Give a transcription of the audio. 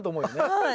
はい。